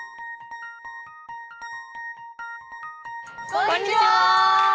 こんにちは！